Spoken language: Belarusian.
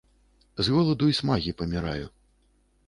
з голаду i смагi памiраю...